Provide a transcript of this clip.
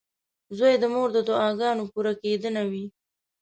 • زوی د مور د دعاګانو پوره کېدنه وي.